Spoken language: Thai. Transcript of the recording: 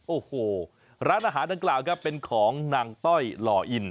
โอ้โหร้านอาหารต่างเป็นของนางต้อยหล่ออิ่น